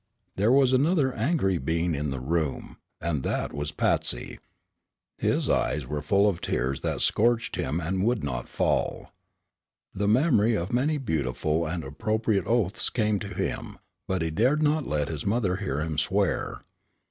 There was another angry being in the room, and that was Patsy. His eyes were full of tears that scorched him and would not fall. The memory of many beautiful and appropriate oaths came to him; but he dared not let his mother hear him swear.